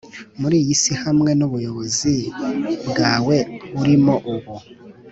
muri iyi si hamwe nubuyobozi bwawe urimo ubu